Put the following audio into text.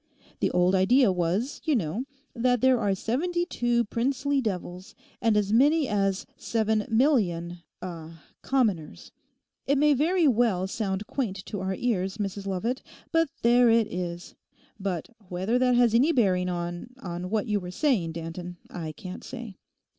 The old idea was, you know, that there are seventy two princely devils, and as many as seven million—er—commoners. It may very well sound quaint to our ears, Mrs Lovat; but there it is. But whether that has any bearing on—on what you were saying, Danton, I can't say.